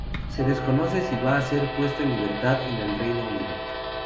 Se desconoce de si va a ser puesto en libertad en el Reino Unido.